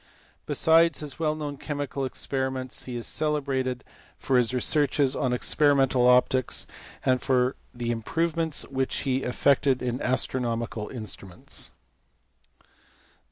Besides his well known chemical experiments, he is celebrated for his researches on experimental optics, and for the improvements which he effected in astronomical instruments.